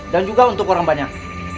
dan juga untuk orang banyak